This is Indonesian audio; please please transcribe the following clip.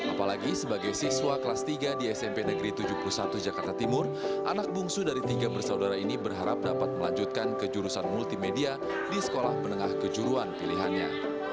apalagi sebagai siswa kelas tiga di smp negeri tujuh puluh satu jakarta timur anak bungsu dari tiga bersaudara ini berharap dapat melanjutkan ke jurusan multimedia di sekolah menengah kejuruan pilihannya